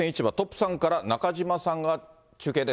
さんから、中島さんが中継です。